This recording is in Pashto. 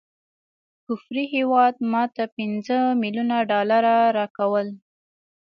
کفري هیواد ماته پنځه ملیونه ډالره راکول.